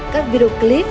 các video clip